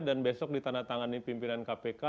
besok ditandatangani pimpinan kpk